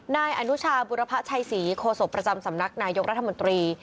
นายอนุชาบุรพชัยศรีโคศกประจำสำนักนายกรัฐมนตรี